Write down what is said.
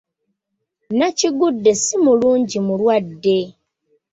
Nakigudde si mulungi mulwadde.